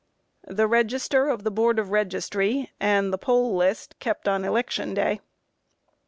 A. The register of the Board of Registry, and the poll list kept on election day.